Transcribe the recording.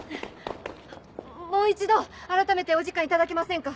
もう一度改めてお時間頂けませんか？